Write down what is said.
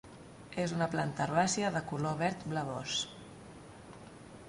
És una planta herbàcia de color verd blavós.